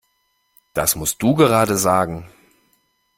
Das musst du gerade sagen!